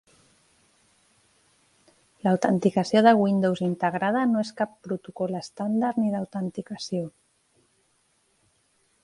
L'autenticació de Windows integrada no és cap protocol estàndard ni d'autenticació.